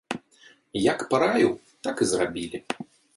Як параіў, так і зрабілі.